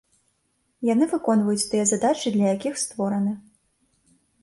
Яны выконваюць тыя задачы, для якіх створаны.